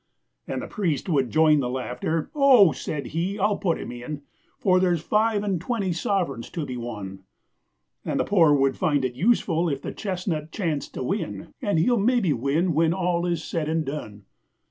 And the priest would join the laughter; 'Oh,' said he, 'I put him in, For there's five and twenty sovereigns to be won. And the poor would find it useful, if the chestnut chanced to win, And he'll maybe win when all is said and done!'